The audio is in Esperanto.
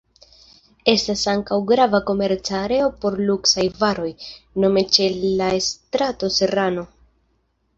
Estas ankaŭ grava komerca areo por luksaj varoj, nome ĉe la strato Serrano.